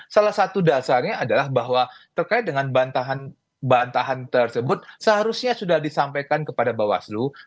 salah satu dasarnya adalah bahwa terkait dengan bantahan tersebut seharusnya sudah disampaikan kepada bawaslu